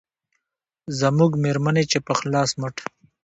زموږ مېرمنې چې په خلاص مټ